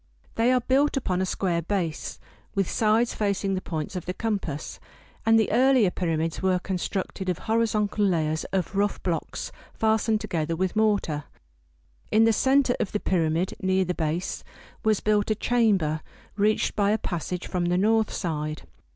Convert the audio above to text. They are built upon a square base, with sides facing the points of the compass, and the earlier pyramids were constructed of horizontal layers of rough blocks fastened together with mortar. In the center of the pyramid, near the base, was built a chamber reached by a passage from the north side.